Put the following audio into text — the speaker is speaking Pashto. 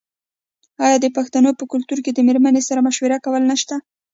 آیا د پښتنو په کلتور کې د میرمنې سره مشوره کول نشته؟